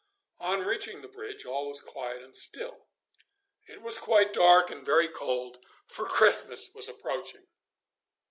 On reaching the bridge all was quiet and still. It was quite dark and very cold, for Christmas was approaching.